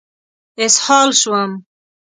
اسهال شوم.